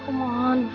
kamu jangan putus asa